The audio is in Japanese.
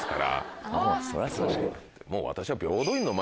もう私は。